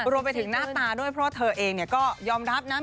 รวมไปถึงหน้าตาด้วยเพราะว่าเธอเองก็ยอมรับนะ